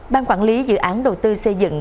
ban quản lý dự án đầu tư xây dựng